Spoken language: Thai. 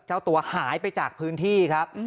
เจ้าตัวหายไปจากพื้นที่ครับ